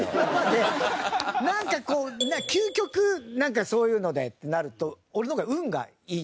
なんかこう究極そういうのでってなると俺の方が運がいい。